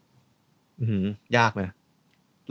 ้งหือยากไหม